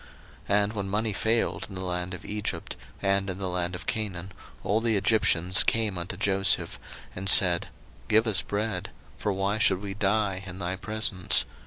01:047:015 And when money failed in the land of Egypt, and in the land of Canaan, all the Egyptians came unto Joseph, and said, Give us bread: for why should we die in thy presence?